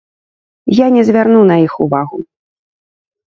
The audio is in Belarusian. Я не звярнуў на іх увагу.